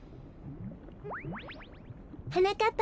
はなかっ